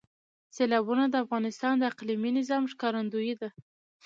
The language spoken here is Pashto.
سیلابونه د افغانستان د اقلیمي نظام ښکارندوی ده.